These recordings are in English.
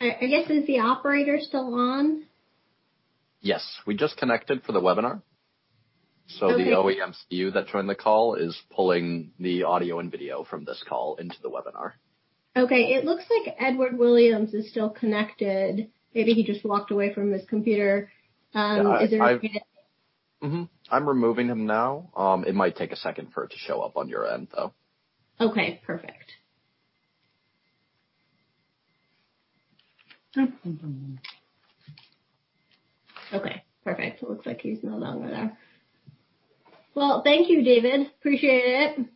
I guess, is the operator still on? Yes. We just connected for the webinar. Okay. The OEM SKU that joined the call is pulling the audio and video from this call into the webinar. Okay. It looks like Edward Williams is still connected. Maybe he just walked away from his computer. Is there a way to. Mm-hmm. I'm removing him now. It might take a second for it to show up on your end, though. Okay, perfect. Okay, perfect. It looks like he's no longer there. Well, thank you, David. Appreciate it.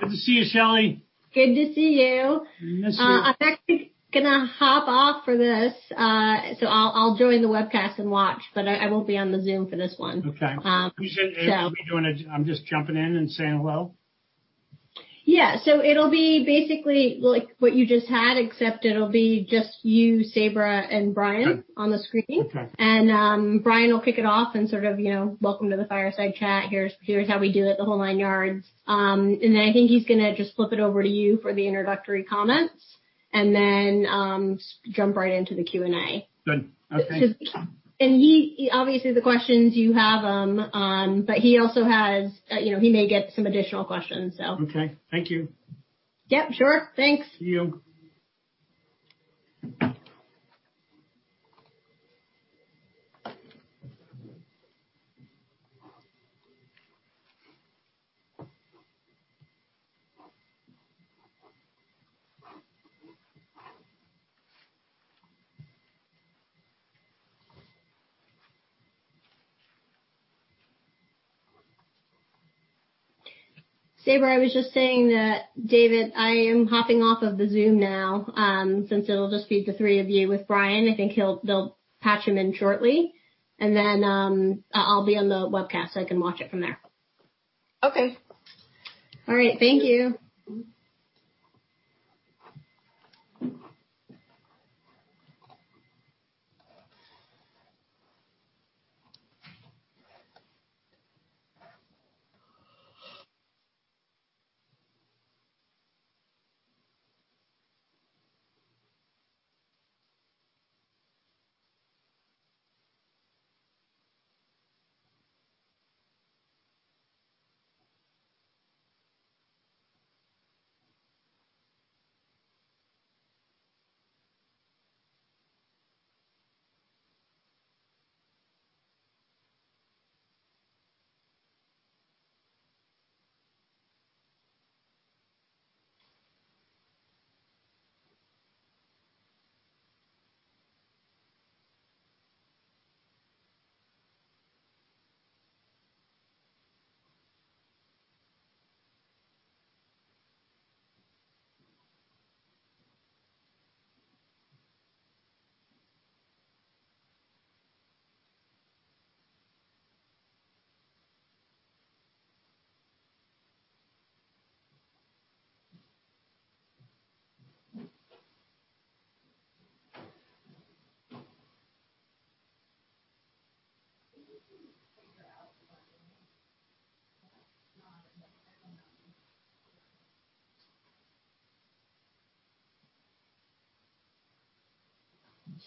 Good to see you, Shelley. Good to see you. Missed you. I'm actually going to hop off for this. I'll join the webcast and watch, but I won't be on the Zoom for this one. Okay. So- I'm just jumping in and saying hello? Yeah. It'll be basically like what you just had, except it'll be just you, Sabra, and Brian on the screen. Okay. Brian will kick it off and sort of welcome to the fireside chat. Here's how we do it, the whole nine yards. Then I think he's going to just flip it over to you for the introductory comments and then jump right into the Q&A. Good. Okay. Obviously the questions you have them, but he may get some additional questions. Okay. Thank you. Yep, sure. Thanks. See you. Sabra, I was just saying that, David, I am hopping off of the Zoom now, since it'll just be the three of you with Brian. I think they'll patch him in shortly. I'll be on the webcast, so I can watch it from there. Okay. All right. Thank you. See you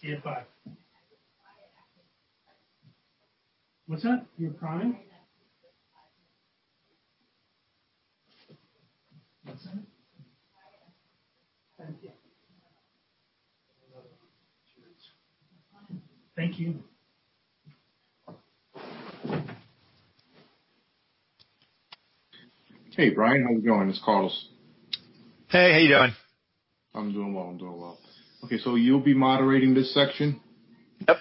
at 5:00. What's that? You were crying? What's that? Thank you. Thank you. Hey, Brian. How's it going? It's Carlos. Hey, how you doing? I'm doing well. Okay, you'll be moderating this section? Yep.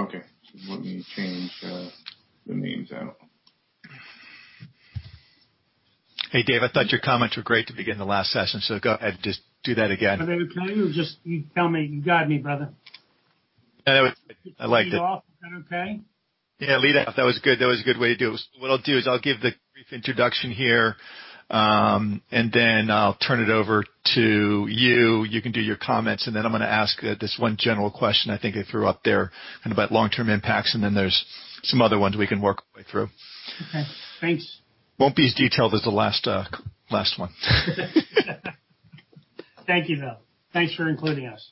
Okay. Let me change the names out. Hey, Dave, I thought your comments were great to begin the last session. Just do that again. Are they playing or just you tell me, "You got me, brother. I liked it. Lead off. Okay? Yeah, lead off. That was good. That was a good way to do it. What I'll do is I'll give the brief introduction here, and then I'll turn it over to you. You can do your comments, and then I'm going to ask this one general question I think I threw out there about long-term impacts, and then there's some other ones we can work our way through. Okay. Thanks. Won't be as detailed as the last one. Thank you, though. Thanks for including us.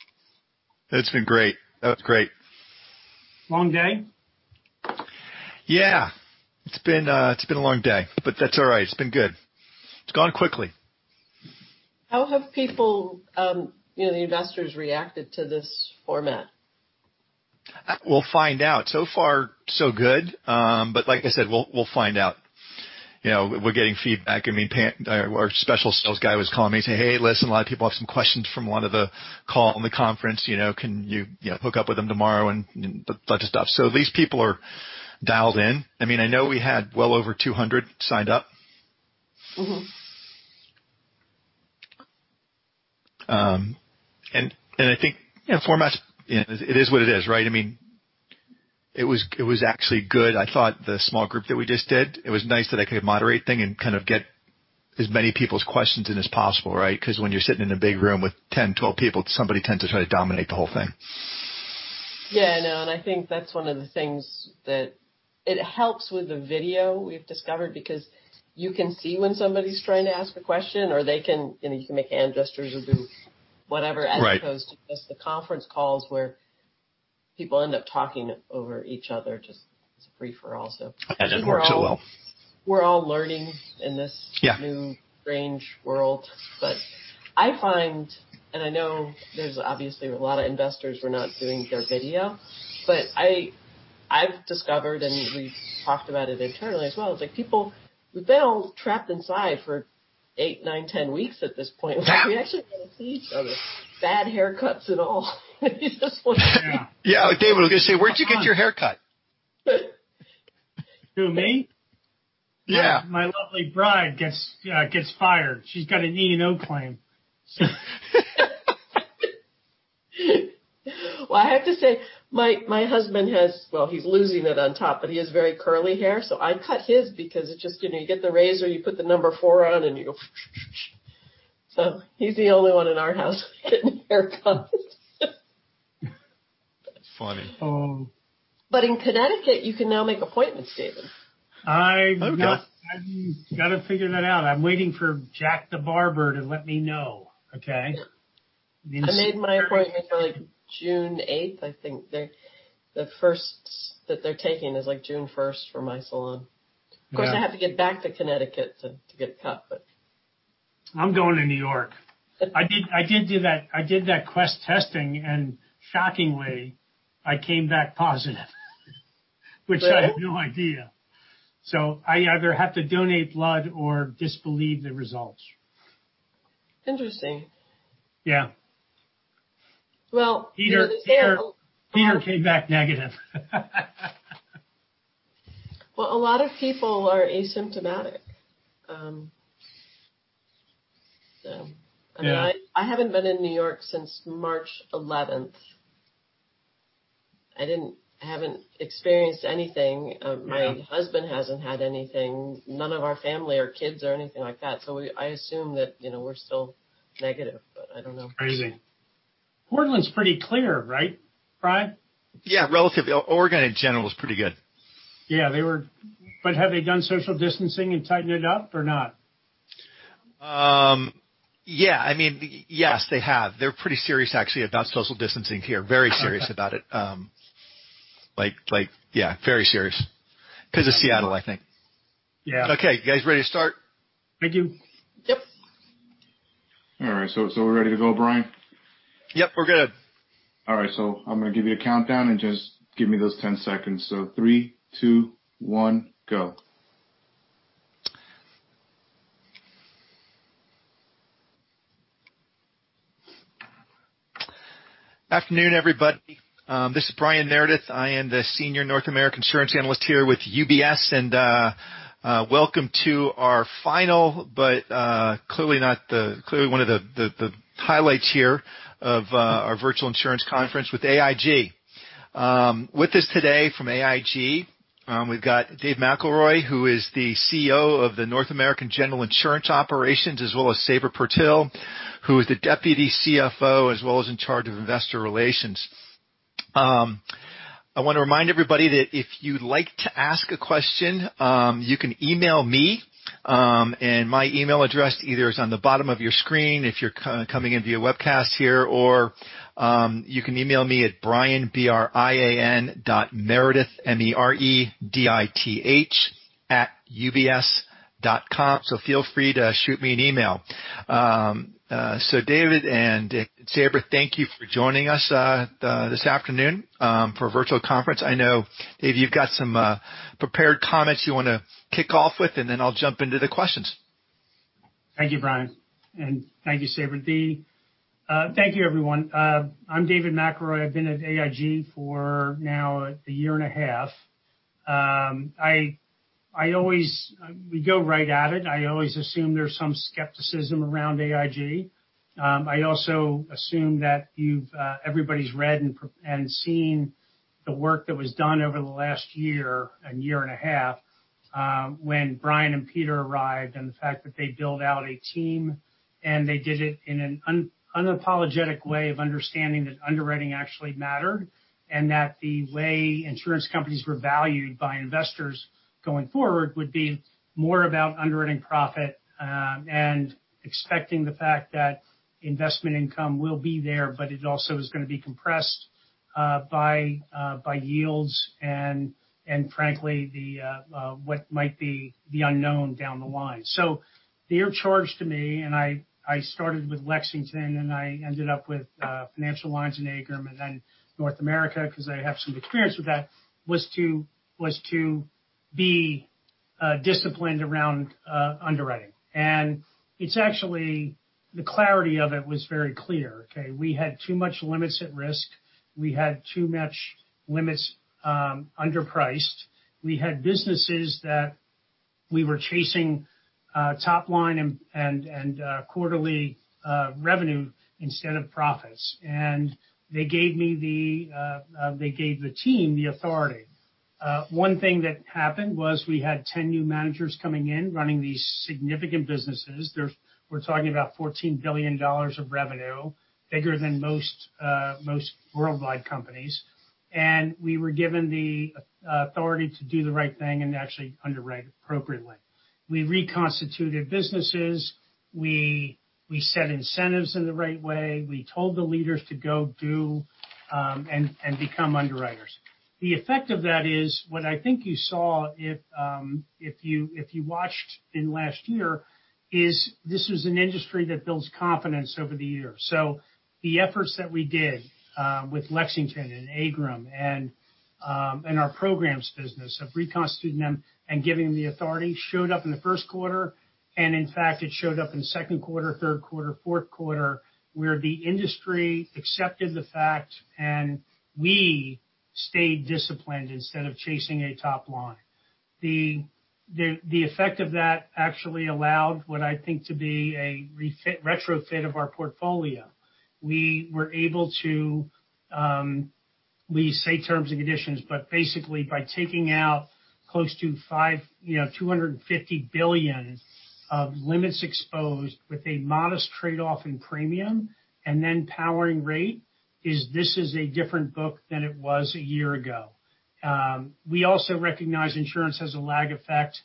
It's been great. That was great. Long day? Yeah. It's been a long day, but that's all right. It's been good. It's gone quickly. How have the investors reacted to this format? We'll find out. So far, so good. Like I said, we'll find out. We're getting feedback. Our special sales guy was calling me saying, "Hey, listen, a lot of people have some questions from one of the call on the conference. Can you hook up with them tomorrow?" A bunch of stuff. At least people are dialed in. I know we had well over 200 signed up. I think formats, it is what it is, right? It was actually good. I thought the small group that we just did, it was nice that I could moderate thing and get as many people's questions in as possible, right? Because when you're sitting in a big room with 10, 12 people, somebody tends to try to dominate the whole thing. Yeah, I know. I think that's one of the things that it helps with the video we've discovered, because you can see when somebody's trying to ask a question or you can make hand gestures or do whatever. Right as opposed to just the conference calls where people end up talking over each other, just it's a free-for-all. That doesn't work so well. We're all learning in this- Yeah new strange world. I find, and I know there's obviously a lot of investors who are not doing their video, but I've discovered and we've talked about it internally as well, it's like people, they're all trapped inside for eight, nine, 10 weeks at this point. Yeah. We actually get to see each other, bad haircuts and all. Yeah. David, I was going to say, where'd you get your hair cut? Who, me? Yeah. My lovely bride gets fired. She's got a need-to-know claim. I have to say, my husband has very curly hair, so I cut his because it just, you get the razor, you put the number 4 on, and you go. He's the only one in our house who's getting haircuts. Funny. Oh. In Connecticut, you can now make appointments, David. I've got- Oh, good to figure that out. I'm waiting for Jack the barber to let me know, okay? I made my appointment for June 8th, I think. The first that they're taking is June 1st for my salon. Yeah. Of course, I have to get back to Connecticut to get cut, but I'm going to New York. I did do that Quest testing, and shockingly, I came back positive, which I had no idea. I either have to donate blood or disbelieve the results. Interesting. Yeah. Well- Peter came back negative. Well, a lot of people are asymptomatic. Yeah. I haven't been in New York since March 11th. I haven't experienced anything. My husband hasn't had anything, none of our family or kids or anything like that. I assume that we're still negative, but I don't know. Crazy. Portland's pretty clear, right, Brian? Yeah, relatively. Oregon in general is pretty good. Yeah. Have they done social distancing and tightened it up or not? Yes, they have. They're pretty serious, actually, about social distancing here. Very serious about it. Yeah, very serious. Because of Seattle, I think. Yeah. Okay. You guys ready to start? I do. Yep. All right. We're ready to go, Brian? Yep, we're good. All right, I'm going to give you a countdown and just give me those 10 seconds. Three, two, one, go. Afternoon, everybody. This is Brian Meredith. I am the Senior North American Insurance Analyst here with UBS. Welcome to our final but clearly one of the highlights here of our virtual insurance conference with AIG. With us today from AIG we've got Dave McElroy, who is the CEO of the North American General Insurance Operations, as well as Sabra Purtill, who is the Deputy CFO as well as in charge of Investor Relations. I want to remind everybody that if you'd like to ask a question, you can email me. My email address either is on the bottom of your screen if you're coming in via webcast here, or you can email me at Brian, B-R-I-A-N, .meredith, M-E-R-E-D-I-T-H, @ubs.com. Feel free to shoot me an email. David and Sabra, thank you for joining us this afternoon for a virtual conference. I know, Dave, you've got some prepared comments you want to kick off with. Then I'll jump into the questions. Thank you, Brian. Thank you, Sabra. Thank you, everyone. I'm David McElroy. I've been at AIG for now a year and a half. We go right at it. I always assume there's some skepticism around AIG. I also assume that everybody's read and seen the work that was done over the last year and a year and a half when Brian and Peter arrived. The fact that they built out a team, they did it in an unapologetic way of understanding that underwriting actually mattered, and that the way insurance companies were valued by investors going forward would be more about underwriting profit, expecting the fact that investment income will be there, but it also is going to be compressed by yields and frankly, what might be the unknown down the line. Their charge to me, I started with Lexington and I ended up with Financial Lines and AIGRM and then North America, because I have some experience with that, was to be disciplined around underwriting. The clarity of it was very clear. We had too much limits at risk. We had too much limits underpriced. We had businesses that we were chasing top line and quarterly revenue instead of profits. They gave the team the authority. One thing that happened was we had 10 new managers coming in, running these significant businesses. We're talking about $14 billion of revenue, bigger than most worldwide companies. We were given the authority to do the right thing and actually underwrite appropriately. We reconstituted businesses. We set incentives in the right way. We told the leaders to go do and become underwriters. The effect of that is, what I think you saw if you watched last year, is this is an industry that builds confidence over the years. The efforts that we did with Lexington and AIGRM and our programs business of reconstituting them and giving them the authority showed up in the first quarter. In fact, it showed up in second quarter, third quarter, fourth quarter, where the industry accepted the fact, and we stayed disciplined instead of chasing a top line. The effect of that actually allowed what I think to be a retrofit of our portfolio. We were able to, we say terms and conditions, but basically by taking out close to $250 billion of limits exposed with a modest trade-off in premium and then powering rate is this is a different book than it was a year ago. We also recognize insurance has a lag effect,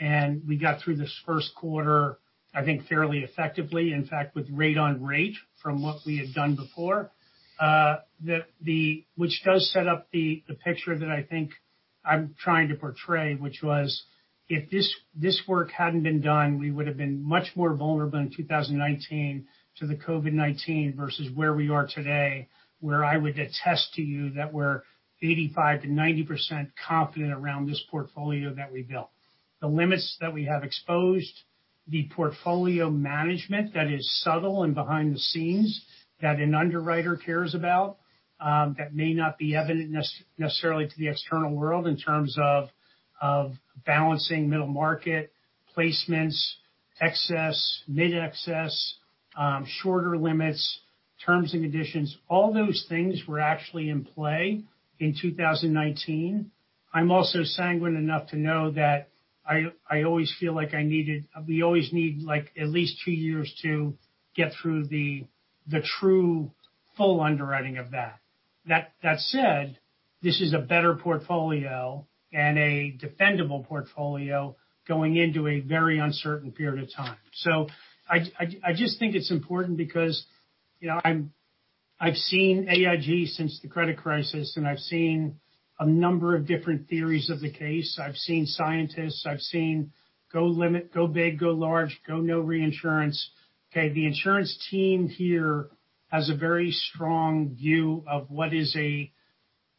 and we got through this first quarter, I think, fairly effectively, in fact, with rate on rate from what we had done before. Which does set up the picture that I think I'm trying to portray, which was, if this work hadn't been done, we would have been much more vulnerable in 2019 to the COVID-19 versus where we are today, where I would attest to you that we're 85%-90% confident around this portfolio that we built. The limits that we have exposed, the portfolio management that is subtle and behind the scenes that an underwriter cares about, that may not be evident necessarily to the external world in terms of balancing middle market placements, excess, mid excess, shorter limits, terms and conditions, all those things were actually in play in 2019. I'm also sanguine enough to know that I always feel like we always need at least two years to get through the true full underwriting of that. That said, this is a better portfolio and a defendable portfolio going into a very uncertain period of time. I just think it's important because I've seen AIG since the credit crisis, and I've seen a number of different theories of the case. I've seen scientists. I've seen go limit, go big, go large, go no reinsurance. The insurance team here has a very strong view of what is a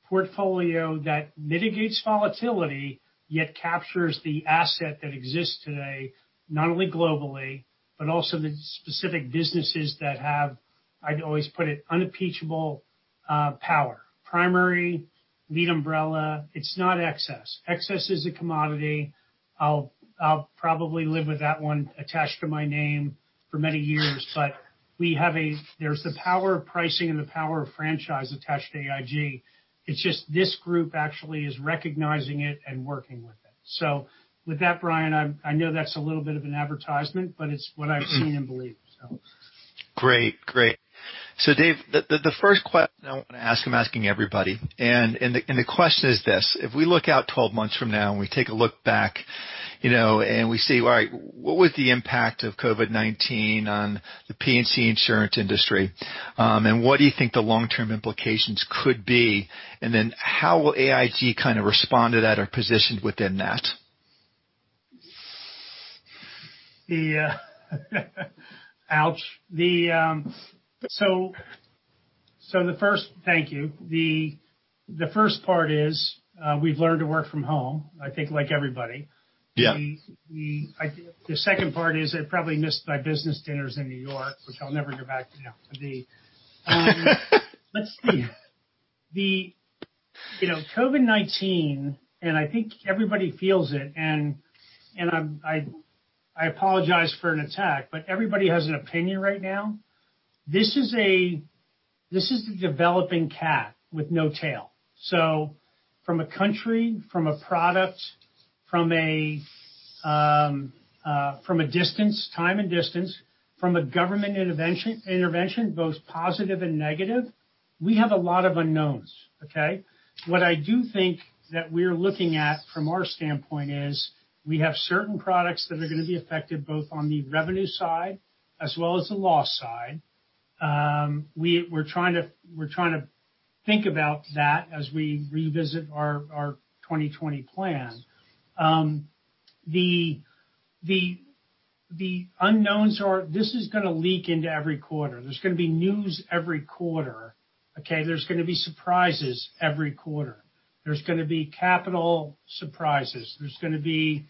portfolio that mitigates volatility, yet captures the asset that exists today, not only globally, but also the specific businesses that have, I'd always put it, unimpeachable power. Primary, lead umbrella. It's not excess. Excess is a commodity. I'll probably live with that one attached to my name for many years. But there's the power of pricing and the power of franchise attached to AIG. It's just this group actually is recognizing it and working with it. With that, Brian, I know that's a little bit of an advertisement, but it's what I've seen and believe so. Great. Dave, the first question I want to ask, I'm asking everybody, the question is this: If we look out 12 months from now and we take a look back, we say, right, what was the impact of COVID-19 on the P&C insurance industry? What do you think the long-term implications could be? How will AIG kind of respond to that or position within that? Ouch. Thank you. The first part is, we've learned to work from home, I think like everybody. Yeah. The second part is I probably missed my business dinners in New York, which I'll never go back to now. Let's see. COVID-19, and I think everybody feels it, and I apologize for an attack, but everybody has an opinion right now. This is the developing cat with no tail. From a country, from a product, from a distance, time and distance, from a government intervention, both positive and negative, we have a lot of unknowns, okay? What I do think that we're looking at from our standpoint is we have certain products that are going to be affected both on the revenue side as well as the loss side. We're trying to think about that as we revisit our 2020 plan. The unknowns are this is going to leak into every quarter. There's going to be news every quarter, okay? There's going to be surprises every quarter. There's going to be capital surprises. There's going to be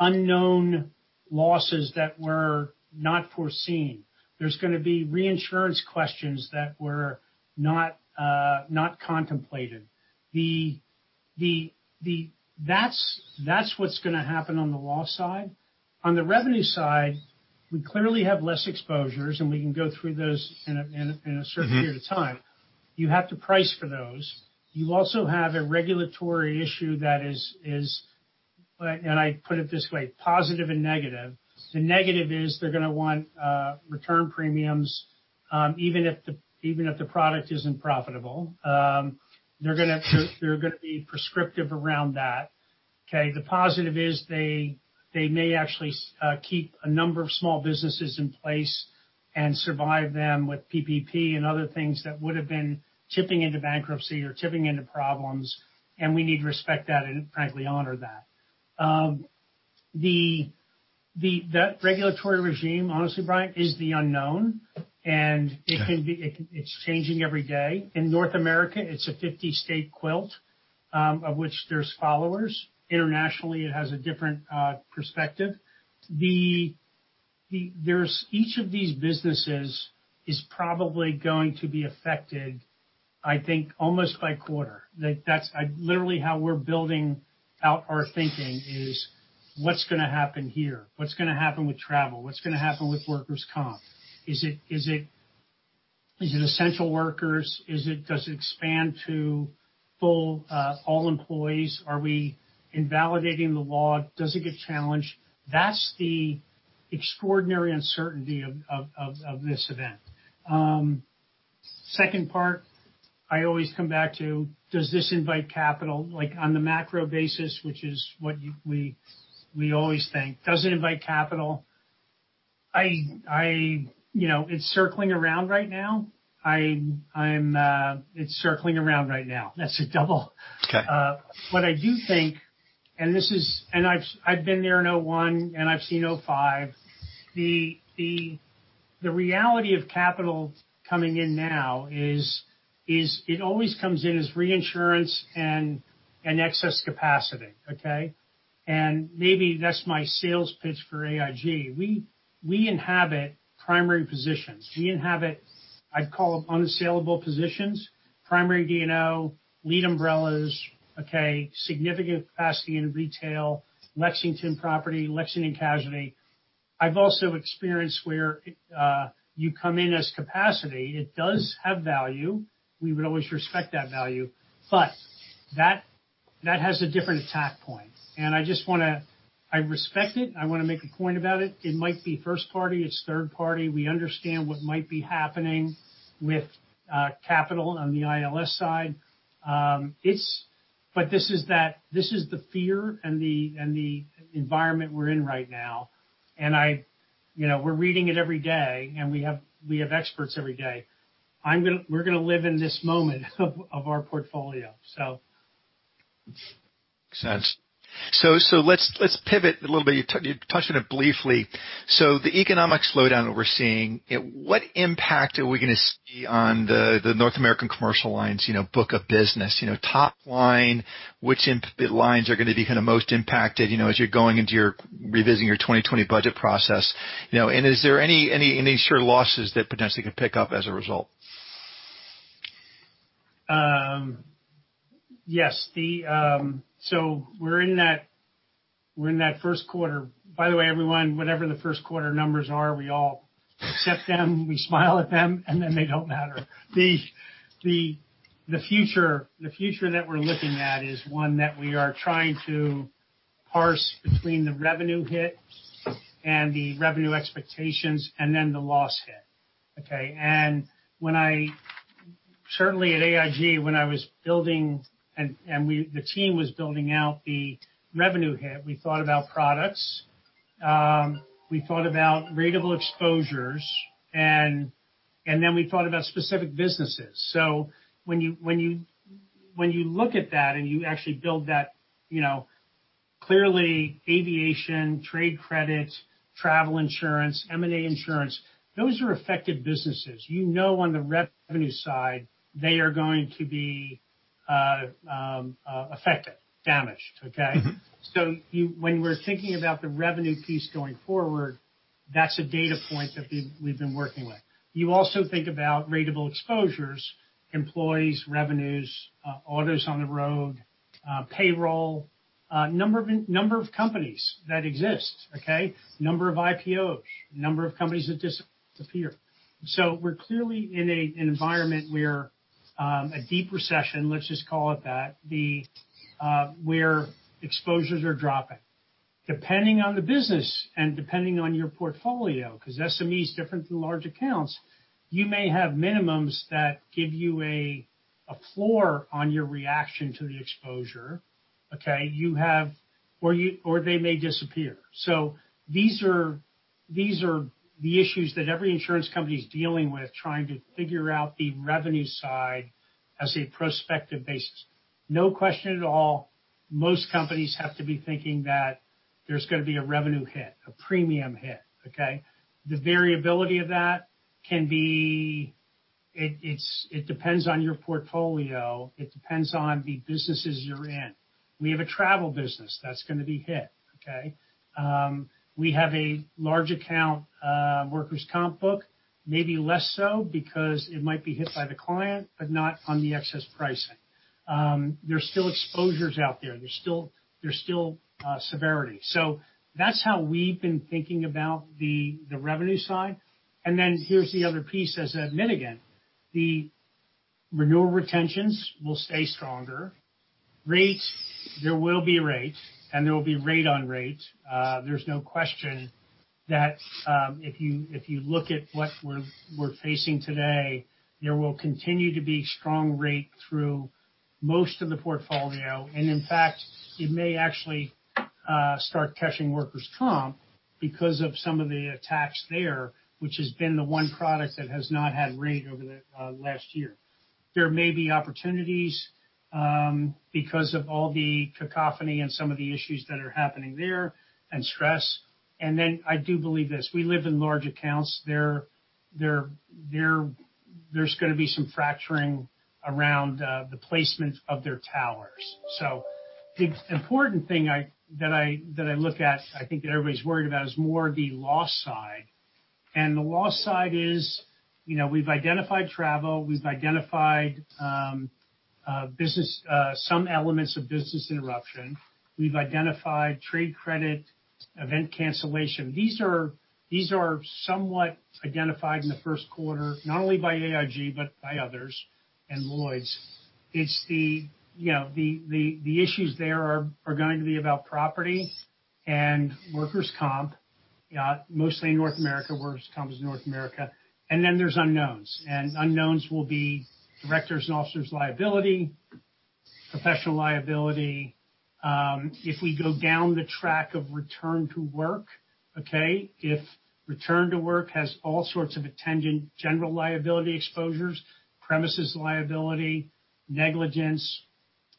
unknown losses that were not foreseen. There's going to be reinsurance questions that were not contemplated. That's what's going to happen on the loss side. On the revenue side. We clearly have less exposures and we can go through those in a certain period of time. You have to price for those. You also have a regulatory issue that is, and I put it this way, positive and negative. The negative is they're going to want return premiums even if the product isn't profitable. They're going to be prescriptive around that. Okay? The positive is they may actually keep a number of small businesses in place and survive them with PPP and other things that would've been tipping into bankruptcy or tipping into problems, and we need to respect that, and frankly, honor that. The regulatory regime, honestly, Brian, is the unknown, and it's changing every day. In North America, it's a 50-state quilt, of which there's followers. Internationally, it has a different perspective. Each of these businesses is probably going to be affected, I think, almost by quarter. That's literally how we're building out our thinking is what's going to happen here? What's going to happen with travel? What's going to happen with workers' comp? Is it essential workers? Does it expand to all employees? Are we invalidating the law? Does it get challenged? That's the extraordinary uncertainty of this event. Second part, I always come back to, does this invite capital? On the macro basis, which is what we always think, does it invite capital? It's circling around right now. That's a double. Okay. What I do think, I've been there in 2001, I've seen 2005. The reality of capital coming in now is it always comes in as reinsurance and excess capacity. Okay? Maybe that's my sales pitch for AIG. We inhabit primary positions. We inhabit, I'd call them unassailable positions, primary D&O, lead umbrellas, okay, significant capacity in retail, Lexington Property, Lexington Casualty. I've also experienced where you come in as capacity. It does have value. We would always respect that value, but that has a different attack point. I respect it. I want to make a point about it. It might be first party. It's third party. We understand what might be happening with capital on the ILS side. This is the fear and the environment we're in right now. We're reading it every day, and we have experts every day. We're going to live in this moment of our portfolio. Makes sense. Let's pivot a little bit. You touched on it briefly. The economic slowdown that we're seeing, what impact are we going to see on the North American Commercial Lines book of business? Top line, which lines are going to be most impacted as you're revising your 2020 budget process? Is there any surety losses that potentially could pick up as a result? Yes. We're in that first quarter. By the way, everyone, whatever the first quarter numbers are, we all accept them, we smile at them, and then they don't matter. The future that we're looking at is one that we are trying to parse between the revenue hit and the revenue expectations, and then the loss hit. Okay. Certainly at AIG, when I was building and the team was building out the revenue hit, we thought about products, we thought about ratable exposures, and then we thought about specific businesses. When you look at that and you actually build that, clearly aviation, trade credit, travel insurance, M&A insurance, those are affected businesses. You know on the revenue side, they are going to be affected, damaged. Okay. When we're thinking about the revenue piece going forward, that's a data point that we've been working with. You also think about ratable exposures, employees, revenues, autos on the road, payroll, number of companies that exist. Okay. Number of IPOs, number of companies that disappear. We're clearly in an environment where a deep recession, let's just call it that, where exposures are dropping. Depending on the business and depending on your portfolio, because SME is different than large accounts, you may have minimums that give you a floor on your reaction to the exposure, Okay, or they may disappear. These are the issues that every insurance company is dealing with, trying to figure out the revenue side as a prospective basis. No question at all, most companies have to be thinking that there's going to be a revenue hit, a premium hit, Okay. The variability of that, it depends on your portfolio. It depends on the businesses you're in. We have a travel business that's going to be hit, Okay. We have a large account Workers' comp book, maybe less so because it might be hit by the client, but not on the excess pricing. There's still exposures out there. There's still severity. That's how we've been thinking about the revenue side. Here's the other piece, as I admit again, the renewal retentions will stay stronger. Rate, there will be rate, and there will be rate on rate. There's no question that if you look at what we're facing today, there will continue to be strong rate through most of the portfolio. In fact, it may actually start catching Workers' comp because of some of the attacks there, which has been the one product that has not had rate over the last year. There may be opportunities because of all the cacophony and some of the issues that are happening there and stress. I do believe this, we live in large accounts. There's going to be some fracturing around the placement of their towers. The important thing that I look at, I think that everybody's worried about, is more the loss side. The loss side is we've identified travel, we've identified some elements of business interruption. We've identified trade credit, event cancellation. These are somewhat identified in the first quarter, not only by AIG but by others and Lloyd's. The issues there are going to be about property and workers' comp, mostly in North America, workers' comp is North America. There's unknowns, and unknowns will be Directors and Officers liability, professional liability. If we go down the track of return to work, okay, if return to work has all sorts of attendant general liability exposures, premises liability, negligence,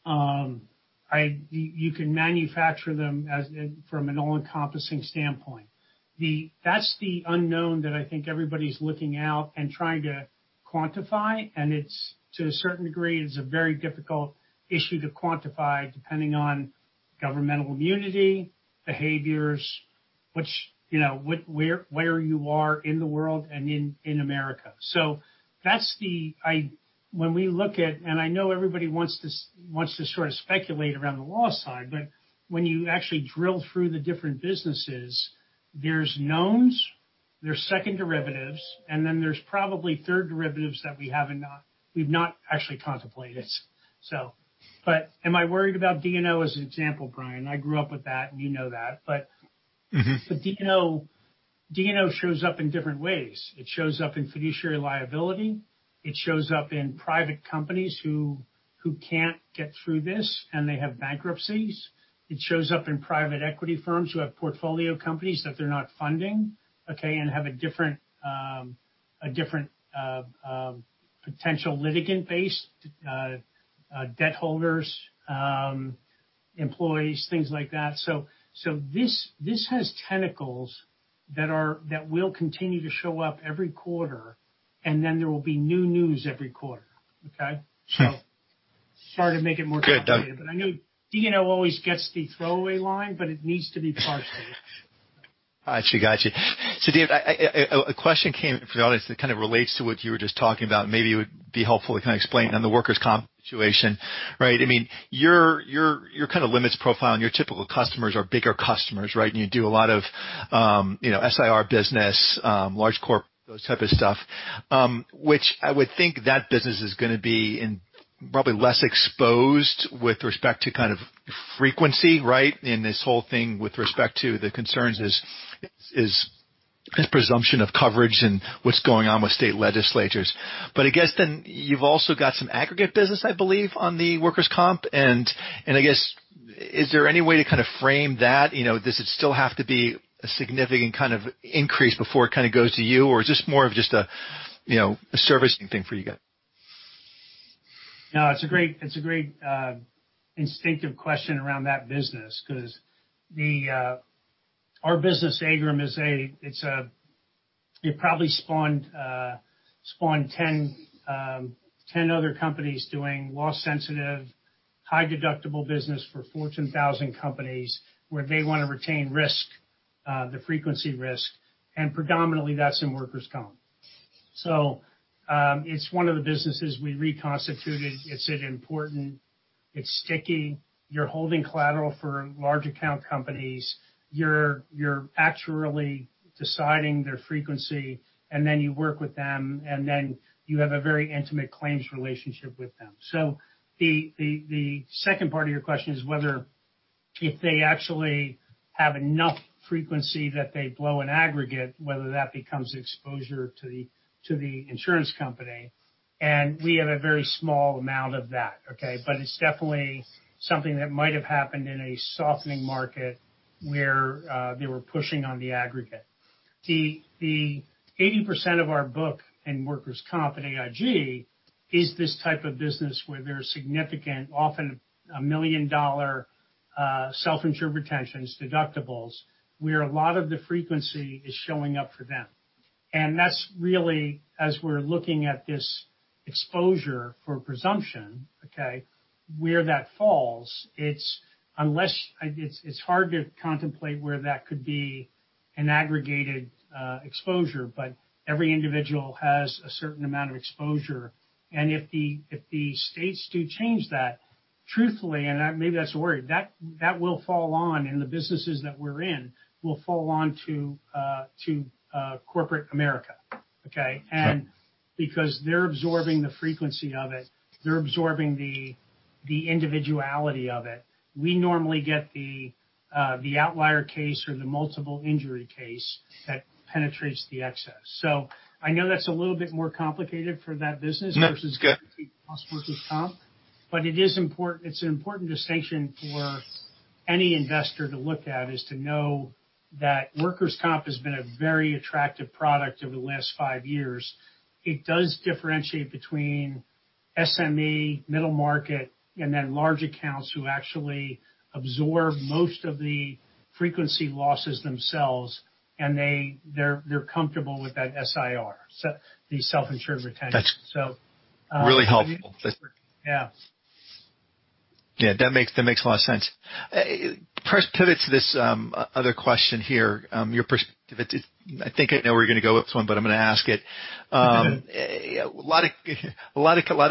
you can manufacture them from an all-encompassing standpoint. That's the unknown that I think everybody's looking out and trying to quantify, and to a certain degree, it's a very difficult issue to quantify depending on governmental immunity, behaviors, where you are in the world and in America. When we look at, and I know everybody wants to sort of speculate around the loss side, but when you actually drill through the different businesses, there's knowns, there's second derivatives, and then there's probably third derivatives that we've not actually contemplated. Am I worried about D&O as an example, Brian? I grew up with that, and you know that. D&O shows up in different ways. It shows up in fiduciary liability. It shows up in private companies who can't get through this, and they have bankruptcies. It shows up in private equity firms who have portfolio companies that they're not funding, okay, and have a different potential litigant base, debt holders, employees, things like that. This has tentacles that will continue to show up every quarter, and then there will be new news every quarter. Okay? Sure. Sorry to make it more complicated. Good. I know D&O always gets the throwaway line, but it needs to be part of it. I actually got you. Dave, a question came in from the audience that kind of relates to what you were just talking about, maybe it would be helpful if you can explain on the workers' comp situation. Right? Your kind of limits profile and your typical customers are bigger customers, right? You do a lot of SIR business, large corp, those type of stuff, which I would think that business is going to be probably less exposed with respect to kind of frequency, right? In this whole thing with respect to the concerns is this presumption of coverage and what's going on with state legislatures. I guess then you've also got some aggregate business, I believe, on the workers' comp, and I guess, is there any way to kind of frame that? Does it still have to be a significant kind of increase before it kind of goes to you, or is this more of just a servicing thing for you guys? No, it's a great instinctive question around that business because our business, AIGRM, it probably spawned 10 other companies doing loss-sensitive, high-deductible business for Fortune 1000 companies where they want to retain risk, the frequency risk, and predominantly that's in workers' comp. It's one of the businesses we reconstituted. It's an important, it's sticky. You're holding collateral for large account companies. You're actually deciding their frequency, and then you work with them, and then you have a very intimate claims relationship with them. The second part of your question is whether if they actually have enough frequency that they blow an aggregate, whether that becomes exposure to the insurance company. We have a very small amount of that, okay? It's definitely something that might have happened in a softening market where they were pushing on the aggregate. The 80% of our book in workers' comp at AIG is this type of business where there are significant, often a $1 million self-insured retentions, deductibles, where a lot of the frequency is showing up for them. That's really, as we're looking at this exposure for presumption, where that falls, it's hard to contemplate where that could be an aggregated exposure. Every individual has a certain amount of exposure, and if the states do change that, truthfully, and maybe that's a worry, that will fall on, and the businesses that we're in will fall on to corporate America. Sure. Because they're absorbing the frequency of it, they're absorbing the individuality of it. We normally get the outlier case or the multiple injury case that penetrates the excess. I know that's a little bit more complicated for that business. No, it's good. versus workers' comp. It is important. It's an important distinction for any investor to look at, is to know that workers' comp has been a very attractive product over the last five years. It does differentiate between SME, middle market, and then large accounts who actually absorb most of the frequency losses themselves, and they're comfortable with that SIR, so the self-insured retention. That's really helpful. Yeah. Yeah, that makes a lot of sense. Pivot to this other question here, your perspective. I think I know where you're going to go with this one, but I'm going to ask it. Okay. A lot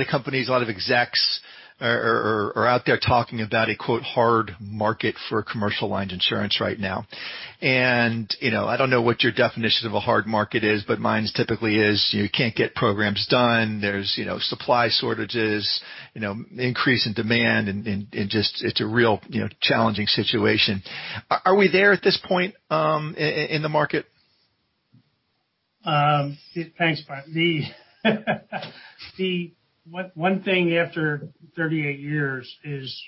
of companies, a lot of execs, are out there talking about a, quote, "hard market" for commercial line insurance right now. I don't know what your definition of a hard market is, but mine is typically is you can't get programs done. There's supply shortages, increase in demand, and just it's a real challenging situation. Are we there at this point in the market? It depends. The one thing after 38 years is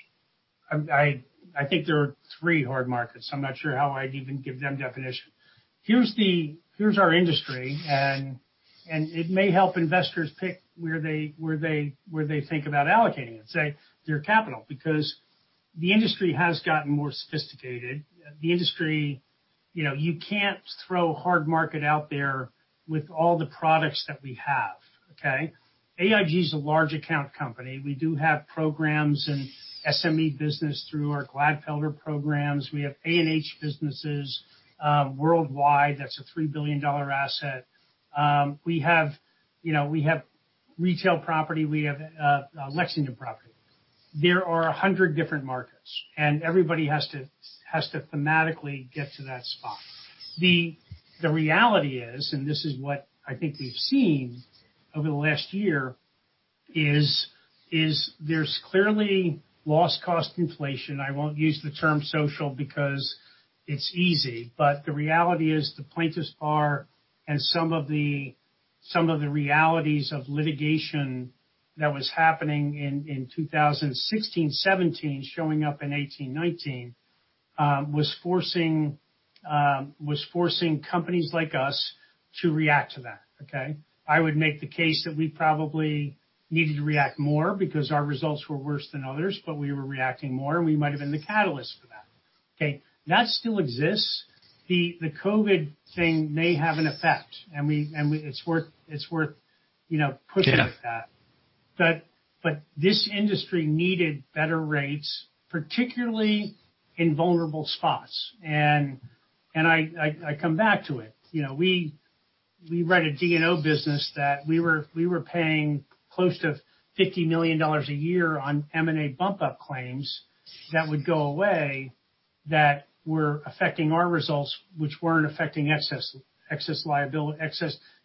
I think there are three hard markets. I'm not sure how I'd even give them definition. Here's our industry. It may help investors pick where they think about allocating, let's say, their capital, because the industry has gotten more sophisticated. You can't throw hard market out there with all the products that we have, okay? AIG is a large account company. We do have programs and SME business through our Glatfelter programs. We have A&H businesses worldwide. That's a $3 billion asset. We have retail property. We have Lexington Property. There are 100 different markets. Everybody has to thematically get to that spot. The reality is, this is what I think we've seen over the last year, is there's clearly loss cost inflation. I won't use the term social because it's easy, but the reality is the plaintiffs bar and some of the realities of litigation that was happening in 2016, 2017, showing up in 2018, 2019, was forcing companies like us to react to that, okay? I would make the case that we probably needed to react more because our results were worse than others, but we were reacting more, and we might've been the catalyst for that. Okay? That still exists. The COVID thing may have an effect, and it's worth pushing at that. Yeah. This industry needed better rates, particularly in vulnerable spots, and I come back to it. We write a D&O business that we were paying close to $50 million a year on M&A bump-up claims that would go away, that were affecting our results, which weren't affecting excess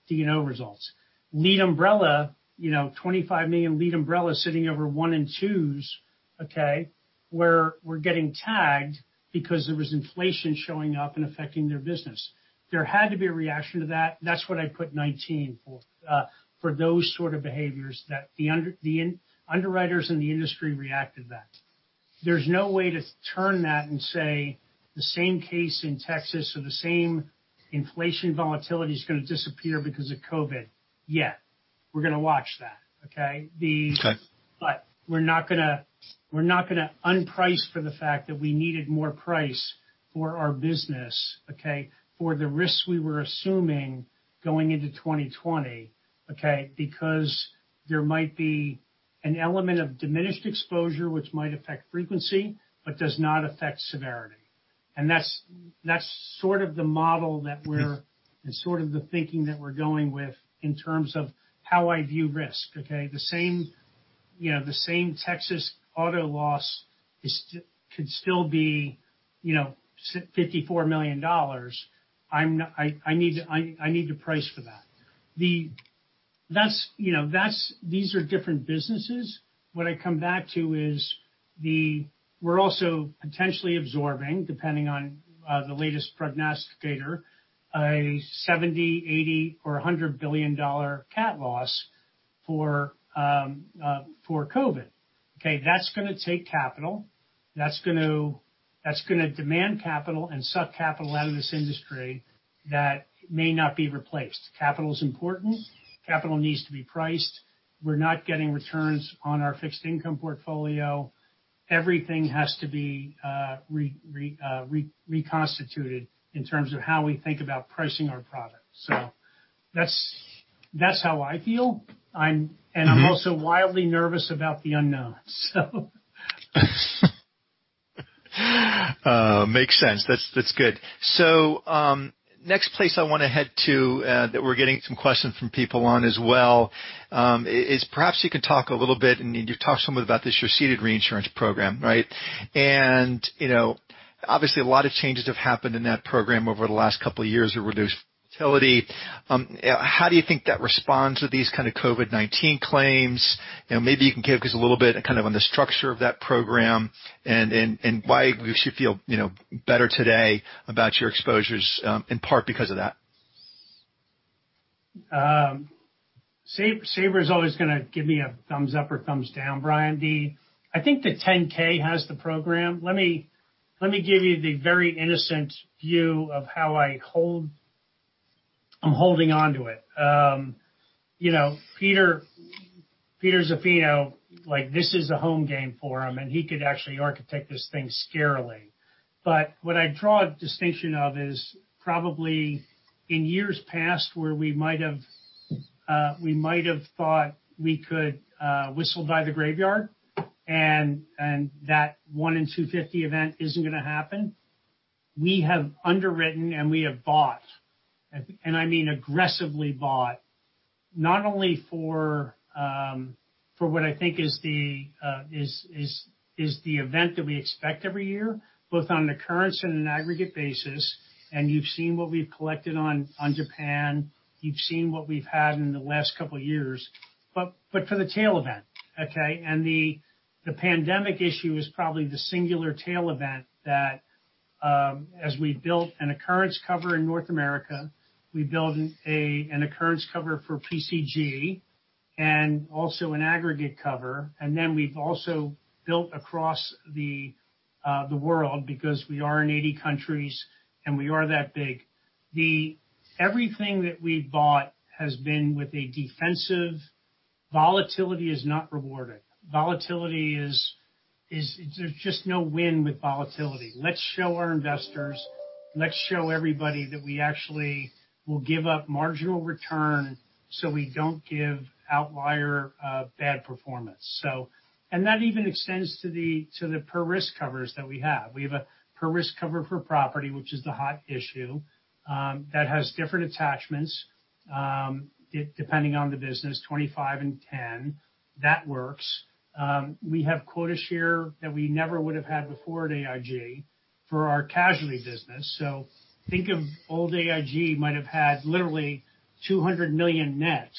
D&O results. Lead umbrella, $25 million lead umbrella sitting over 1 and 2s, okay, where we're getting tagged because there was inflation showing up and affecting their business. There had to be a reaction to that. That's what I put 2019 for those sort of behaviors that the underwriters in the industry reacted that. There's no way to turn that and say the same case in Texas or the same inflation volatility is going to disappear because of COVID. We're going to watch that, okay? Okay. We're not going to unprice for the fact that we needed more price for our business, okay, for the risks we were assuming going into 2020, okay, because there might be an element of diminished exposure which might affect frequency but does not affect severity. That's sort of the model. Yes Sort of the thinking that we're going with in terms of how I view risk, okay? The same Texas auto loss could still be $54 million. I need to price for that. These are different businesses. What I come back to is we're also potentially absorbing, depending on the latest prognosticator, a $70 billion, $80 billion, or $100 billion cat loss for COVID. Okay? That's going to take capital. That's going to demand capital and suck capital out of this industry that may not be replaced. Capital is important. Capital needs to be priced. We're not getting returns on our fixed income portfolio. Everything has to be reconstituted in terms of how we think about pricing our products. That's how I feel. I'm also wildly nervous about the unknown. Makes sense. That's good. Next place I want to head to, that we're getting some questions from people on as well, is perhaps you can talk a little bit, and you've talked some about this, your ceded reinsurance program, right? Obviously, a lot of changes have happened in that program over the last couple of years with reduced utility. How do you think that responds to these COVID-19 claims? Maybe you can give us a little bit on the structure of that program and why we should feel better today about your exposures, in part because of that. Sabra's always going to give me a thumbs up or thumbs down, Brian, Dee. I think the 10-K has the program. Let me give you the very innocent view of how I'm holding onto it. Peter Zaffino, this is a home game for him, he could actually architect this thing scarily. What I draw a distinction of is probably in years past, where we might have thought we could whistle by the graveyard, and that one in 250 event isn't going to happen. We have underwritten, and we have bought, and I mean aggressively bought, not only for what I think is the event that we expect every year, both on occurrence and an aggregate basis, and you've seen what we've collected on Japan, you've seen what we've had in the last couple of years, but for the tail event, okay? The pandemic issue is probably the singular tail event that as we built an occurrence cover in North America, we built an occurrence cover for PCG and also an aggregate cover. Then we've also built across the world because we are in 80 countries, we are that big. Everything that we've bought has been with a defensive volatility is not rewarded. There's just no win with volatility. Let's show our investors, let's show everybody that we actually will give up marginal return, we don't give outlier bad performance. That even extends to the per-risk covers that we have. We have a per-risk cover for property, which is the hot issue, that has different attachments depending on the business, 25 and 10. That works. We have quota share that we never would have had before at AIG for our casualty business. Think of old AIG might have had literally $200 million net,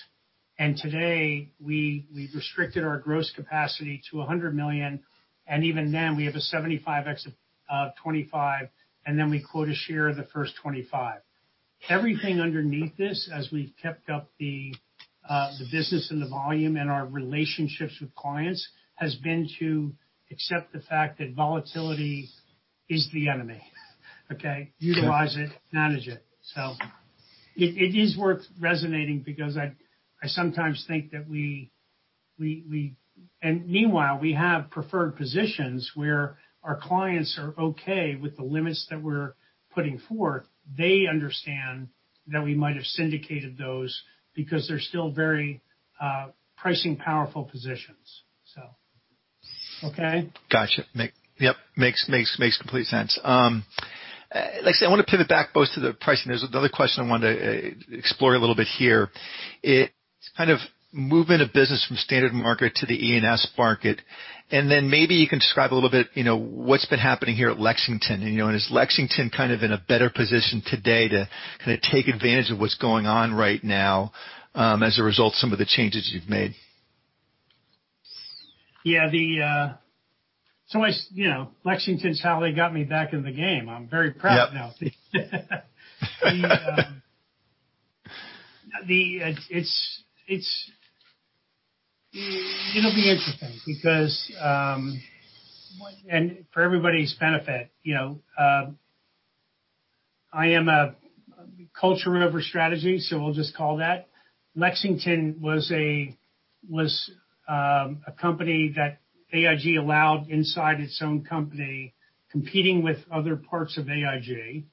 and today we've restricted our gross capacity to $100 million, and even then we have a 75/25, and then we quota share the first 25. Everything underneath this, as we've kept up the business and the volume and our relationships with clients has been to accept the fact that volatility is the enemy. Okay? Sure. Utilize it, manage it. It is worth resonating because I sometimes think that we, and meanwhile, we have preferred positions where our clients are okay with the limits that we're putting forth. They understand that we might have syndicated those because they're still very pricing powerful positions. Okay? Got you. Yep. Makes complete sense. Like I said, I want to pivot back both to the pricing. There's another question I wanted to explore a little bit here. It's kind of movement of business from standard market to the E&S market, and then maybe you can describe a little bit what's been happening here at Lexington. Is Lexington kind of in a better position today to kind of take advantage of what's going on right now as a result of some of the changes you've made? Yeah. Lexington's how they got me back in the game. I'm very proud now. Yep. It'll be interesting because for everybody's benefit, I am a culture over strategy, so we'll just call that. Lexington was a company that AIG allowed inside its own company, competing with other parts of AIG,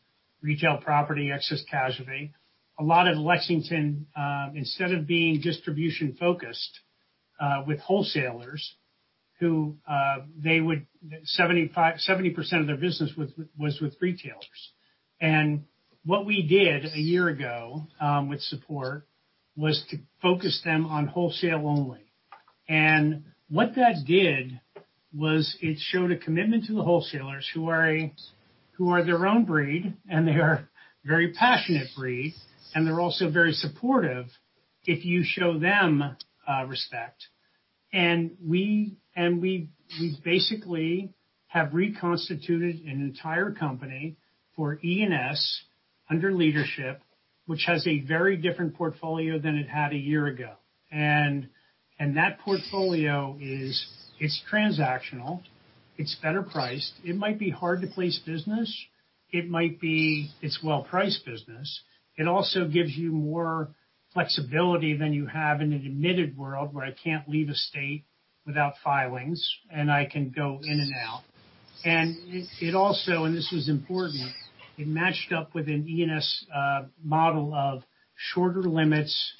retail property excess casualty. A lot of Lexington, instead of being distribution-focused with wholesalers, who they would 70% of their business was with retailers. What we did a year ago, with support, was to focus them on wholesale only. What that did was it showed a commitment to the wholesalers who are their own breed, and they are a very passionate breed, and they're also very supportive if you show them respect. We basically have reconstituted an entire company for E&S under leadership, which has a very different portfolio than it had a year ago. That portfolio is transactional. It's better priced. It might be hard-to-place business. It might be it's well-priced business. It also gives you more flexibility than you have in an admitted world where I can't leave a state without filings, and I can go in and out. It also, and this was important, it matched up with an E&S model of shorter limits.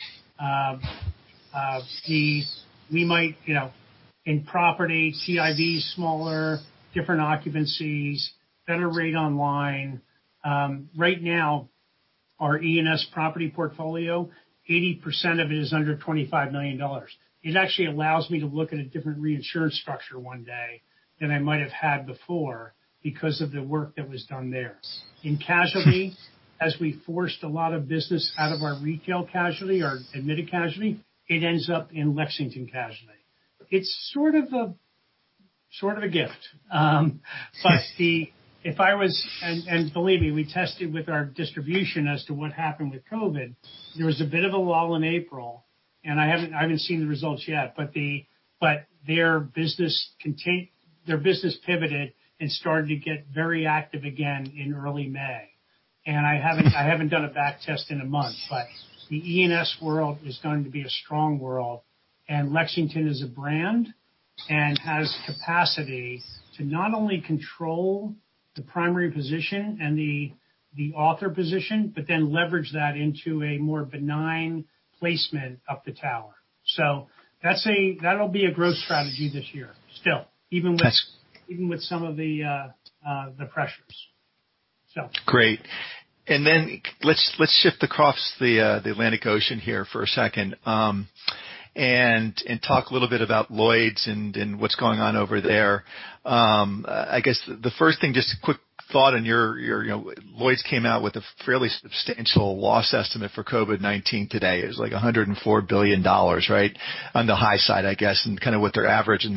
In property, TIV is smaller, different occupancies, better rate on line. Right now, our E&S property portfolio, 80% of it is under $25 million. It actually allows me to look at a different reinsurance structure one day than I might have had before because of the work that was done there. In casualty, as we forced a lot of business out of our retail casualty or admitted casualty, it ends up in Lexington Casualty. It's sort of a gift. Believe me, we tested with our distribution as to what happened with COVID-19. There was a bit of a lull in April. I haven't seen the results yet, but their business pivoted and started to get very active again in early May. I haven't done a back test in a month, but the E&S world is going to be a strong world, and Lexington is a brand and has capacity to not only control the primary position and the author position but then leverage that into a more benign placement up the tower. That'll be a growth strategy this year still, even with some of the pressures. Great. Then let's shift across the Atlantic Ocean here for a second and talk a little bit about Lloyd's and what's going on over there. I guess, the first thing, just a quick thought, Lloyd's came out with a fairly substantial loss estimate for COVID-19 today. It was like $104 billion, right? On the high side, I guess, and kind of what their average and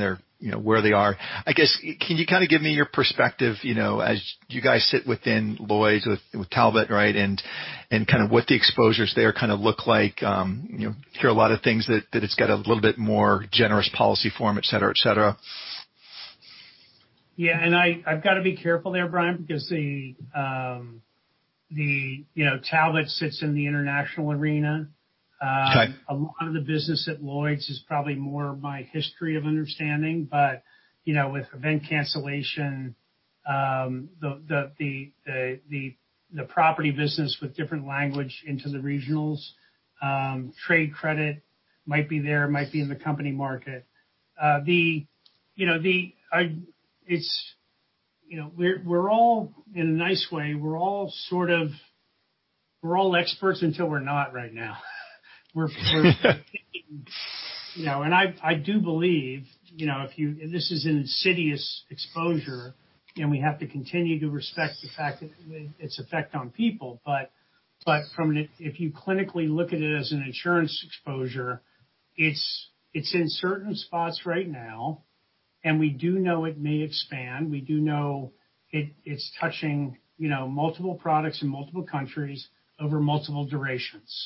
where they are. I guess, can you give me your perspective as you guys sit within Lloyd's with Talbot, right? What the exposures there look like. I hear a lot of things that it's got a little bit more generous policy form, et cetera. Yeah. I've got to be careful there, Brian, because Talbot sits in the international arena. Okay. A lot of the business at Lloyd's is probably more my history of understanding. With event cancellation, the property business with different language into the regionals, trade credit might be there, might be in the company market. In a nice way, we're all experts until we're not right now. I do believe, this is an insidious exposure, and we have to continue to respect its effect on people. If you clinically look at it as an insurance exposure, it's in certain spots right now, and we do know it may expand. We do know it's touching multiple products in multiple countries over multiple durations.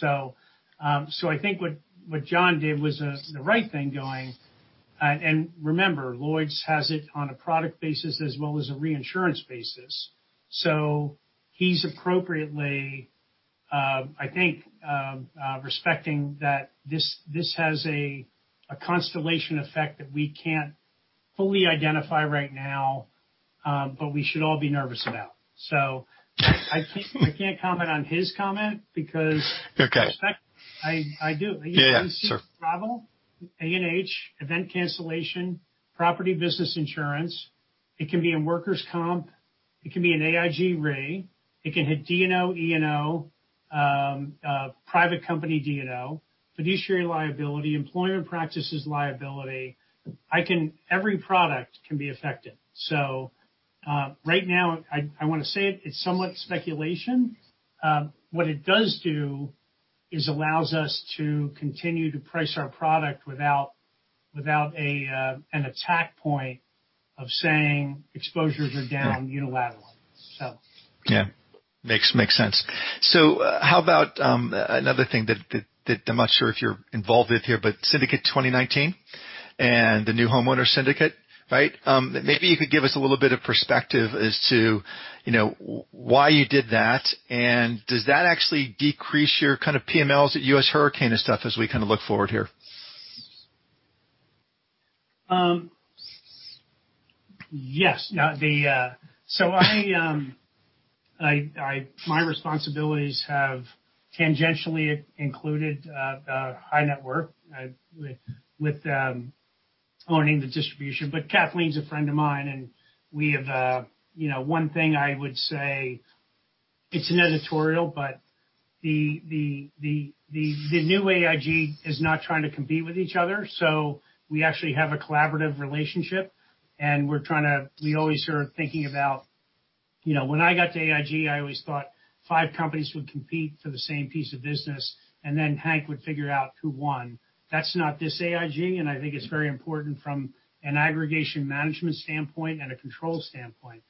I think what Jon did was the right thing going. Remember, Lloyd's has it on a product basis as well as a reinsurance basis. He's appropriately, I think, respecting that this has a constellation effect that we can't fully identify right now, but we should all be nervous about. I can't comment on his comment because- Okay I respect. I do. Yeah. You see travel, A&H, event cancellation, property business insurance. It can be in workers' comp. It can be in AIG Re. It can hit D&O, E&O, private company D&O, fiduciary liability, employment practices liability. Every product can be affected. Right now, I want to say it's somewhat speculation. What it does do is allows us to continue to price our product without an attack point of saying exposures are down unilaterally. Yeah. Makes sense. How about another thing that I'm not sure if you're involved with here, but Syndicate 2019 and the new homeowner syndicate, right? Maybe you could give us a little bit of perspective as to why you did that, and does that actually decrease your PMLs at U.S. Hurricane and stuff as we look forward here? Yes. My responsibilities have tangentially included high net worth with owning the distribution. Kathleen's a friend of mine, and one thing I would say, it's an editorial, the new AIG is not trying to compete with each other. We actually have a collaborative relationship, and we always are thinking about When I got to AIG, I always thought five companies would compete for the same piece of business, and then Hank would figure out who won. That's not this AIG, and I think it's very important from an aggregation management standpoint and a control standpoint.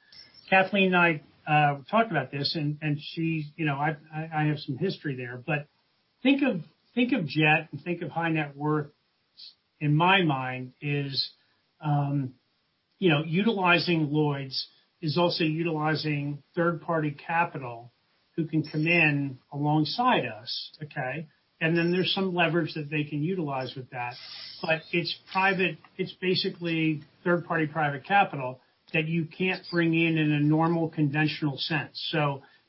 Kathleen and I talked about this, and I have some history there, Think of jet and think of high net worth in my mind as utilizing Lloyd's is also utilizing third-party capital who can come in alongside us. Okay? Then there's some leverage that they can utilize with that. It's basically third-party private capital that you can't bring in in a normal conventional sense.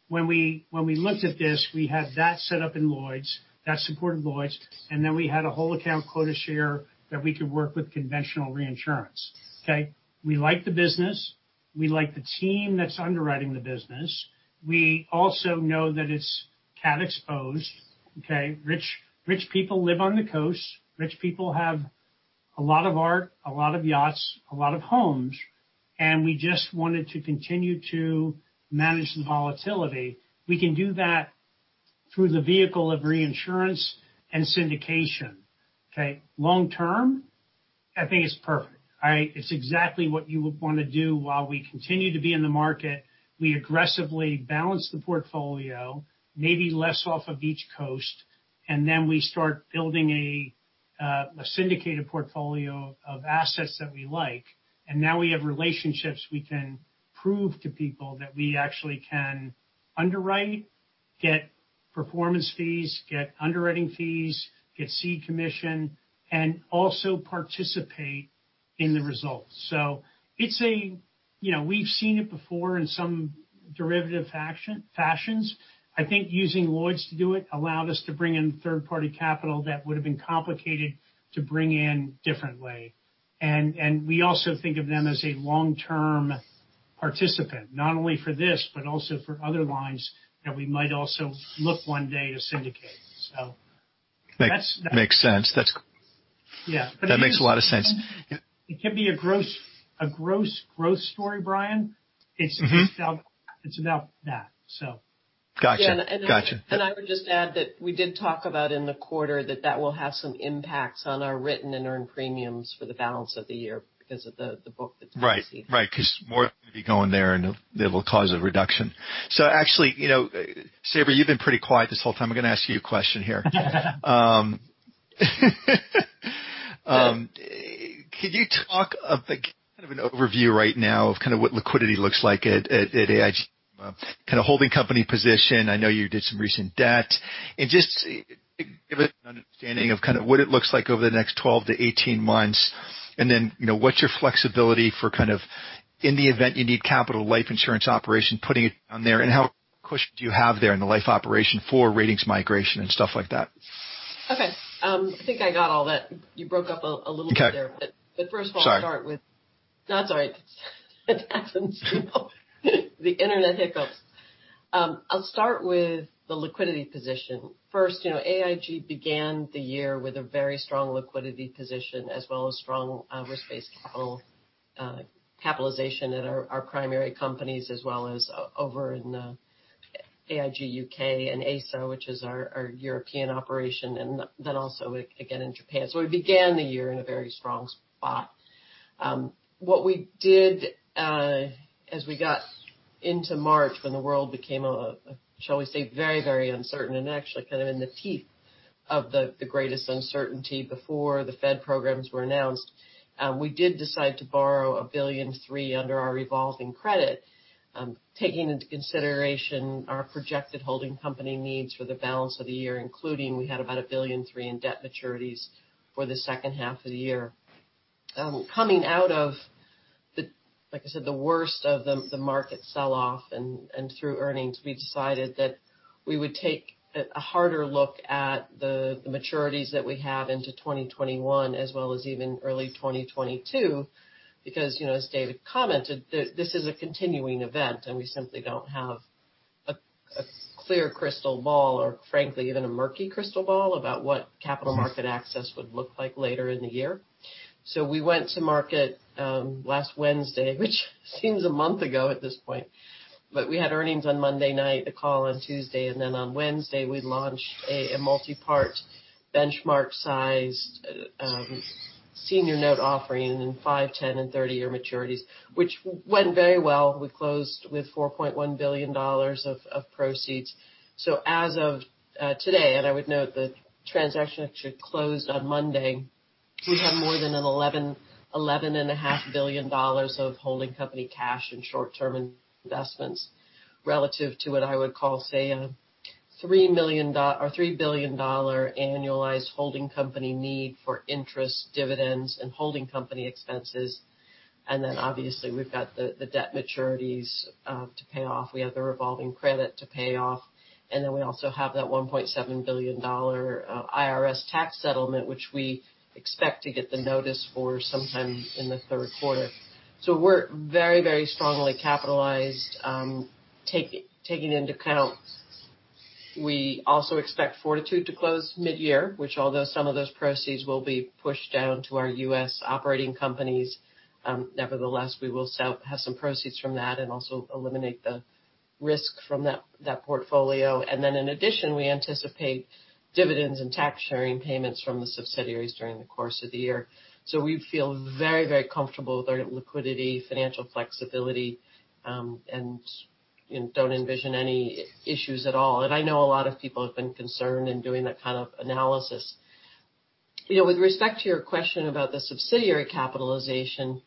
When we looked at this, we had that set up in Lloyd's, that's supported Lloyd's, and then we had a whole account quota share that we could work with conventional reinsurance. Okay? We like the business. We like the team that's underwriting the business. We also know that it's cat exposed. Okay? Rich people live on the coast. Rich people have a lot of art, a lot of yachts, a lot of homes, we just wanted to continue to manage the volatility. We can do that through the vehicle of reinsurance and syndication. Okay? Long term, I think it's perfect. All right? It's exactly what you would want to do while we continue to be in the market. We aggressively balance the portfolio, maybe less off of each coast, then we start building a syndicated portfolio of assets that we like. Now we have relationships we can prove to people that we actually can underwrite, get performance fees, get underwriting fees, get cede commission, and also participate in the results. We've seen it before in some derivative fashions. I think using Lloyd's to do it allowed us to bring in third-party capital that would have been complicated to bring in differently. We also think of them as a long-term participant, not only for this, but also for other lines that we might also look one day to syndicate. Makes sense. Yeah. That makes a lot of sense. It can be a gross story, Brian. It's about that. Got you. I would just add that we did talk about in the quarter that that will have some impacts on our written and earned premiums for the balance of the year because of the book that's. Right. Because more will be going there, and it will cause a reduction. Actually, Sabra, you've been pretty quiet this whole time. I'm going to ask you a question here. Could you talk of an overview right now of what liquidity looks like at AIG, kind of holding company position? I know you did some recent debt. Just give us an understanding of what it looks like over the next 12-18 months, and then what's your flexibility for in the event you need capital life insurance operation, putting it down there, and how much cushion do you have there in the life operation for ratings migration and stuff like that? Okay. I think I got all that. You broke up a little bit there. Okay. Sorry. That's all right. Accents, people. The internet hiccups. I'll start with the liquidity position. First, AIG began the year with a very strong liquidity position as well as strong risk-based capital capitalization at our primary companies as well as over in AIG UK and AIG Europe S.A., which is our European operation, and also again in Japan. We began the year in a very strong spot. What we did as we got into March, when the world became, shall we say, very uncertain and actually kind of in the teeth of the greatest uncertainty before the Fed programs were announced, we did decide to borrow $1.3 billion under our revolving credit, taking into consideration our projected holding company needs for the balance of the year, including we had about $1.3 billion in debt maturities for the second half of the year. Coming out of, like I said, the worst of the market sell-off and through earnings, we decided that we would take a harder look at the maturities that we have into 2021 as well as even early 2022 because, as David commented, this is a continuing event and we simply don't have a clear crystal ball or frankly even a murky crystal ball about what capital market access would look like later in the year. We went to market last Wednesday, which seems a month ago at this point, but we had earnings on Monday night, the call on Tuesday, and on Wednesday we launched a multi-part benchmark-sized senior note offering in five, 10, and 30-year maturities, which went very well. We closed with $4.1 billion of proceeds. As of today, I would note the transaction actually closed on Monday, we have more than $11.5 billion of holding company cash and short-term investments relative to what I would call, say, a $3 billion annualized holding company need for interest, dividends, and holding company expenses. Obviously we've got the debt maturities to pay off. We have the revolving credit to pay off. We also have that $1.7 billion IRS tax settlement, which we expect to get the notice for sometime in the third quarter. We're very strongly capitalized, taking into account we also expect Fortitude to close mid-year, which although some of those proceeds will be pushed down to our U.S. operating companies, nevertheless, we will have some proceeds from that and also eliminate the risk from that portfolio. In addition, we anticipate dividends and tax sharing payments from the subsidiaries during the course of the year. We feel very comfortable with our liquidity, financial flexibility, and don't envision any issues at all. I know a lot of people have been concerned and doing that kind of analysis. With respect to your question about the subsidiary capitalization,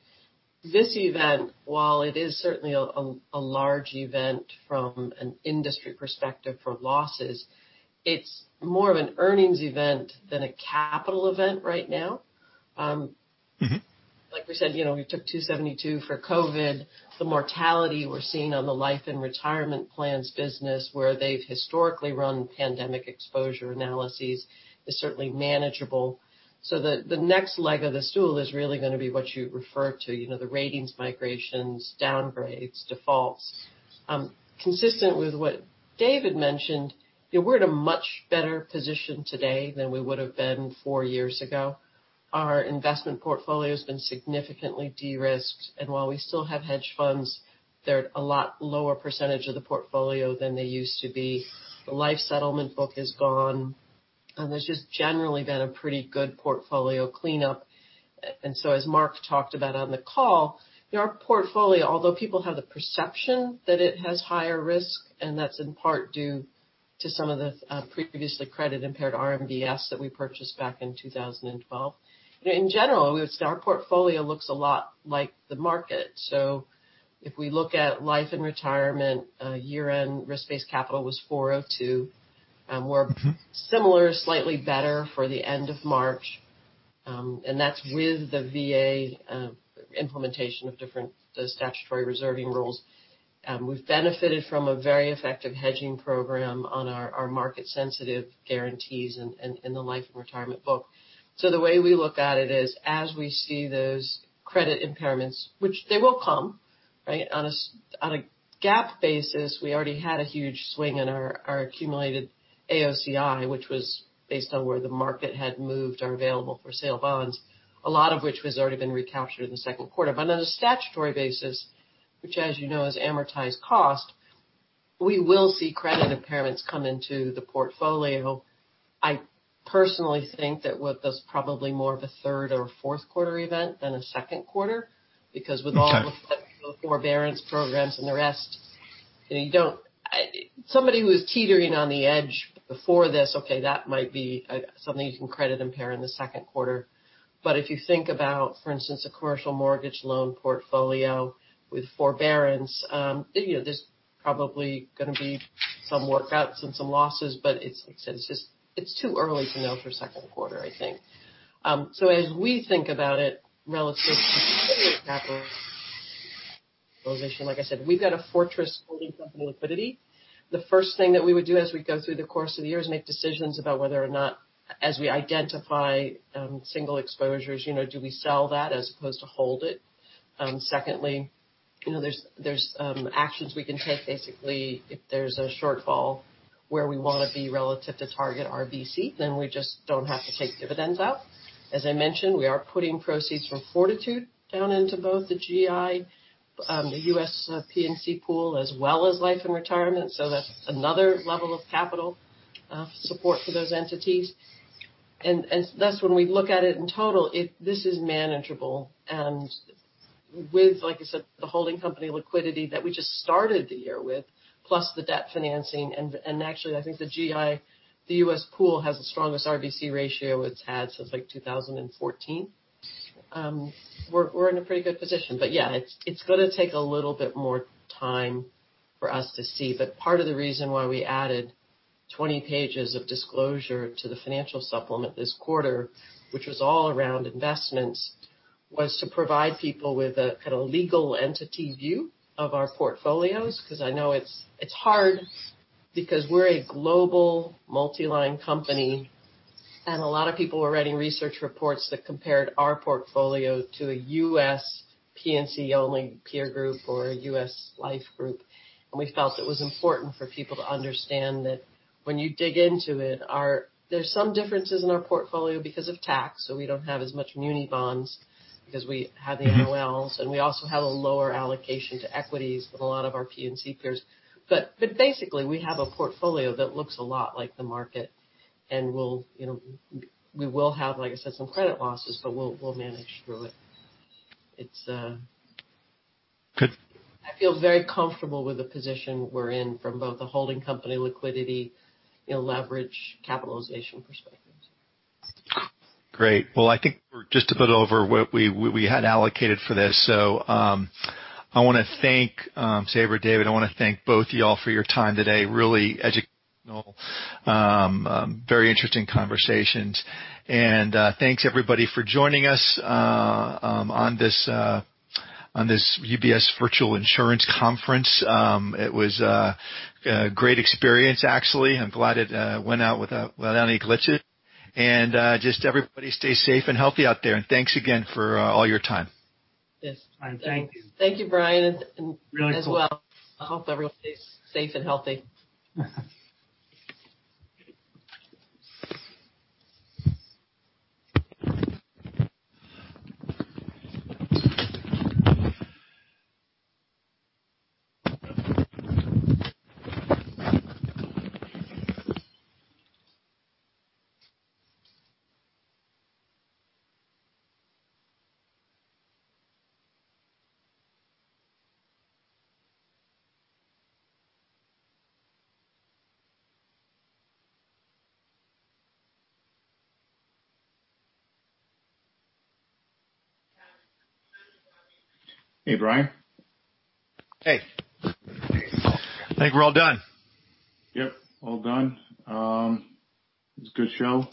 this event, while it is certainly a large event from an industry perspective for losses, it's more of an earnings event than a capital event right now. Like we said, we took $272 for COVID. The mortality we're seeing on the Life and Retirement plans business, where they've historically run pandemic exposure analyses, is certainly manageable. The next leg of the stool is really going to be what you referred to, the ratings migrations, downgrades, defaults. Consistent with what David mentioned, we're in a much better position today than we would have been four years ago. Our investment portfolio has been significantly de-risked, while we still have hedge funds, they're a lot lower percentage of the portfolio than they used to be. The life settlement book is gone, there's just generally been a pretty good portfolio cleanup. As Mark talked about on the call, our portfolio, although people have the perception that it has higher risk, that's in part due to some of the previously credit-impaired RMBS that we purchased back in 2012. In general, our portfolio looks a lot like the market. If we look at Life and Retirement, year-end risk-based capital was 402. We're similar, slightly better for the end of March, that's with the VA implementation of different statutory reserving rules. We've benefited from a very effective hedging program on our market sensitive guarantees in the Life and Retirement book. The way we look at it is as we see those credit impairments, which they will come. On a GAAP basis, we already had a huge swing in our accumulated AOCI, which was based on where the market had moved our available for sale bonds, a lot of which was already been recaptured in the second quarter. On a statutory basis, which as you know, is amortized cost, we will see credit impairments come into the portfolio. I personally think that that's probably more of a third or fourth quarter event than a second quarter, because with all the forbearance programs and the rest, somebody who was teetering on the edge before this, okay, that might be something you can credit impair in the second quarter. If you think about, for instance, a commercial mortgage loan portfolio with forbearance, there's probably going to be some workouts and some losses, but it's too early to know for second quarter, I think. As we think about it relative to capitalization, like I said, we've got a fortress holding company liquidity. The first thing that we would do as we go through the course of the year is make decisions about whether or not as we identify single exposures, do we sell that as opposed to hold it? Secondly, there's actions we can take, basically, if there's a shortfall where we want to be relative to target RBC, then we just don't have to take dividends out. As I mentioned, we are putting proceeds from Fortitude down into both the GI, the U.S. P&C pool, as well as Life and Retirement, so that's another level of capital support for those entities. Thus, when we look at it in total, this is manageable. With, like I said, the holding company liquidity that we just started the year with, plus the debt financing, and actually, I think the GI, the U.S. pool has the strongest RBC ratio it's had since 2014. We're in a pretty good position. Yeah, it's going to take a little bit more time for us to see. Part of the reason why we added 20 pages of disclosure to the financial supplement this quarter, which was all around investments, was to provide people with a legal entity view of our portfolios. Because I know it's hard because we're a global multi-line company, and a lot of people were writing research reports that compared our portfolio to a U.S. P&C only peer group or a U.S. life group. We felt it was important for people to understand that when you dig into it, there's some differences in our portfolio because of tax, so we don't have as much muni bonds because we have the NOLs, and we also have a lower allocation to equities than a lot of our P&C peers. Basically, we have a portfolio that looks a lot like the market, and we will have, like I said, some credit losses, but we'll manage through it. Good. I feel very comfortable with the position we're in from both the holding company liquidity, leverage, capitalization perspective. Great. Well, I think we're just a bit over what we had allocated for this. I want to thank Sabra, David. I want to thank both of you all for your time today. Really educational, very interesting conversations. Thanks everybody for joining us on this UBS Virtual Insurance Conference. It was a great experience, actually. I'm glad it went out without any glitches. Just everybody stay safe and healthy out there, and thanks again for all your time. Yes. Thank you. Thank you, Brian, as well. I hope everyone stays safe and healthy. Hey, Brian. Hey. I think we're all done. Yep, all done. It was a good show.